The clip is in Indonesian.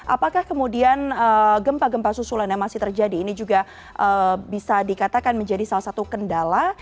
apakah kemudian gempa gempa susulan yang masih terjadi ini juga bisa dikatakan menjadi salah satu kendala